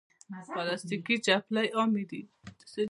پلاستيکي چپلی عامې دي.